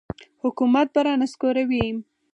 حکومت به را نسکوروي.